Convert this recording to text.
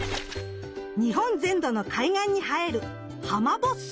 日本全土の海岸に生えるハマボッス。